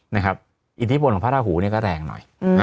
นะครับอิทธิบนของพระราหูเนี่ยก็แรงหน่อย